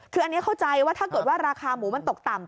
คืออันนี้เข้าใจว่าถ้าเกิดว่าราคาหมูมันตกต่ำ